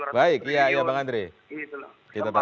apalagi sekarang rakyat semakin sulit ya